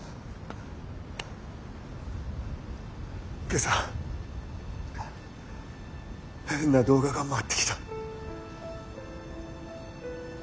今朝変な動画が回ってきた。